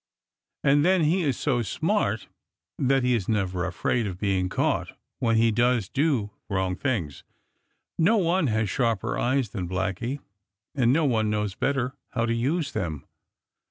And then he is so smart that he is never afraid of being caught when he does do wrong things. No one has sharper eyes than Blacky, and no one knows better how to use them.